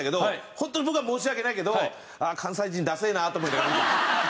ホントに僕は申し訳ないけどああ関西人ダセえなと思いながら見てました。